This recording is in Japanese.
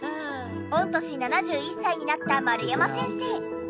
御年７１歳になった丸山先生。